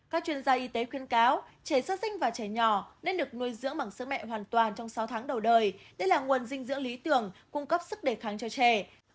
các chuyên gia y tế khuyên cáo trẻ sơ sinh và trẻ nhỏ nên được nuôi dưỡng bằng sức mẹ hoàn toàn trong sáu tháng đầu đời đây là nguồn dinh dưỡng lý tưởng cung cấp sức đề kháng cho trẻ